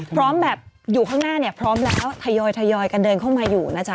พร้อมแบบอยู่ข้างหน้าเนี่ยพร้อมแล้วทยอยกันเดินเข้ามาอยู่นะจ๊